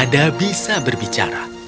tidak mungkin bisa berbicara